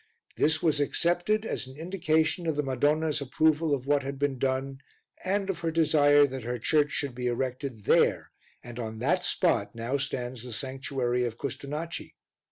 This was accepted as an indication of the Madonna's approval of what had been done and of her desire that her church should be erected there, and on that spot now stands the Sanctuary of Custonaci.